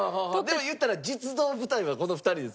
でも言ったら実動部隊はこの２人ですもんね。